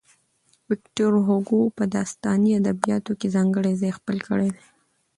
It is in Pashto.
ويکټور هوګو په داستاني ادبياتو کې ځانګړی ځای خپل کړی دی.